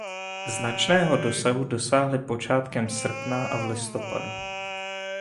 Značného dosahu dosáhly počátkem srpna a v listopadu.